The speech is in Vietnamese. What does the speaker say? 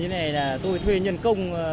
như thế này tôi thuê nhân công